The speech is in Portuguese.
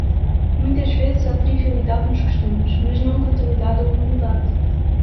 Muitas vezes há trivialidade nos costumes, mas não brutalidade ou humildade.